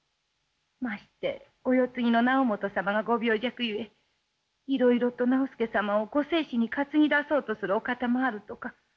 ましてお世継ぎの直元様がご病弱ゆえいろいろと直弼様を御世子に担ぎ出そうとするお方もあるとか。